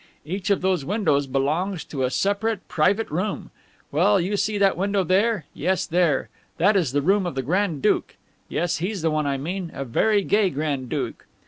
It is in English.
Each of those windows belongs to a separate private room. Well, you see that window there? yes, there that is the room of a grand duke yes, he's the one I mean a very gay grand duke.